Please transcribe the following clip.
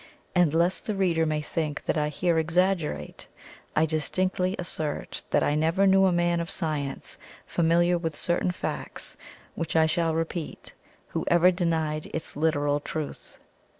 And lest the reader may think that I here exaggerate, I distinctly assert that I never knew a man of science, familiar with certain facts which I shall repeat, who ever denied its literal truth.